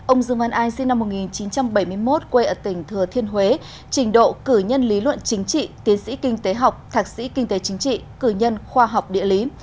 ông dương văn an sinh năm một nghìn chín trăm bảy mươi một quê ở tỉnh thừa thiên huế trình độ cử nhân lý luận chính trị tiến sĩ kinh tế học thạc sĩ kinh tế chính trị cử nhân khoa học địa lý